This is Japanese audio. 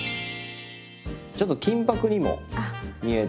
ちょっと金ぱくにも見えて。